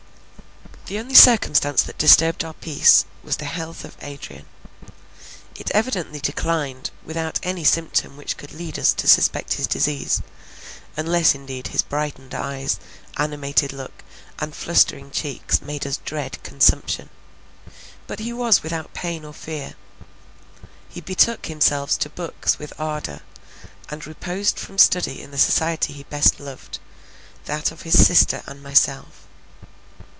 The only circumstance that disturbed our peace, was the health of Adrian. It evidently declined, without any symptom which could lead us to suspect his disease, unless indeed his brightened eyes, animated look, and flustering cheeks, made us dread consumption; but he was without pain or fear. He betook himself to books with ardour, and reposed from study in the society he best loved, that of his sister and myself.